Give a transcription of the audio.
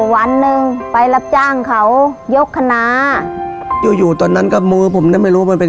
วันหนึ่งไปรับจ้างเขายกคณะอยู่อยู่ตอนนั้นก็มือผมน่ะไม่รู้มันเป็น